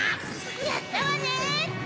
・・やったわね！